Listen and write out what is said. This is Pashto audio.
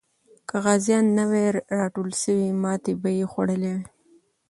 که غازیان نه وای راټول سوي، ماتې به یې خوړلې وه.